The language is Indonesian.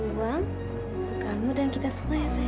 untuk kamu dan kita semua ya sayang